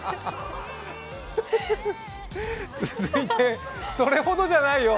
続いてそれほどじゃないよ。